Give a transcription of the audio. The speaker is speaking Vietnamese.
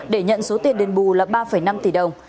để nhận số tiền đền bù là ba năm tỷ đồng